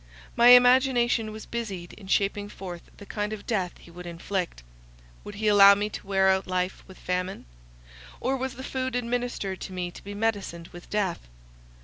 My imagination was busied in shaping forth the kind of death he would inflict. Would he allow me to wear out life with famine; or was the food administered to me to be medicined with death?